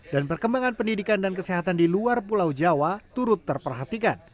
dan perkembangan pendidikan dan kesehatan di luar pulau jawa turut terperhatikan